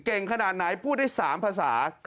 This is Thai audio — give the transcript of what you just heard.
ขนาดไหนพูดได้๓ภาษา